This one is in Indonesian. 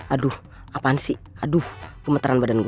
aduh apaan sih aduh pemeteran badan gue